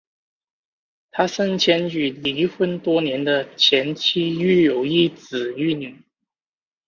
他生前与离婚多年的前妻育有一子一女。